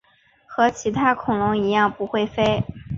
和其他恐鸟一样不会飞。